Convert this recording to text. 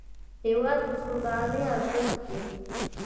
هېواد د قربانۍ ارزښت دی.